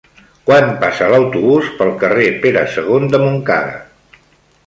Quan passa l'autobús pel carrer Pere II de Montcada?